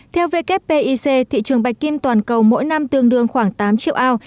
theo wpic thị trường bạch kim toàn cầu mỗi năm tương đương khoảng tám triệu ao